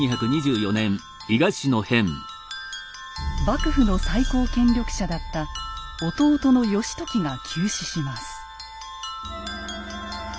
幕府の最高権力者だった弟の義時が急死します。